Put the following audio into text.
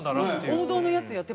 王道のやつやって。